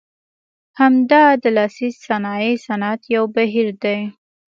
همدا د لاسي صنایع صنعت یو بهیر دی.